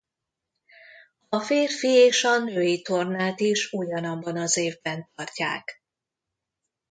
A férfi és a női tornát is ugyanabban az évben tartják.